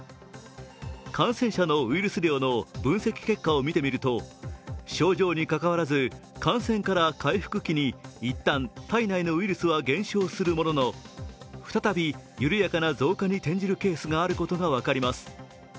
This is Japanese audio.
感染者のウイルス量の分析結果を見てみると症状にかかわらず、感染から回復期に一旦、体内のウイルスは減少するものの、再び緩やかな増加に転じるケースがあることが分かります。